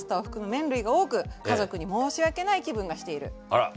あら。